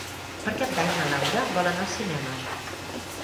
Per Cap d'Any na Laura vol anar al cinema.